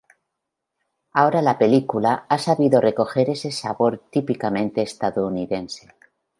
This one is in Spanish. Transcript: Ahora la película ha sabido recoger ese sabor típicamente estadounidense.